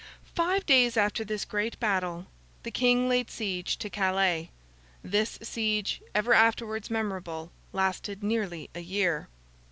Five days after this great battle, the King laid siege to Calais. This siege—ever afterwards memorable—lasted nearly a year.